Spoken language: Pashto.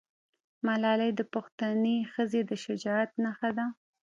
ملالۍ د پښتنې ښځې د شجاعت نښه ده.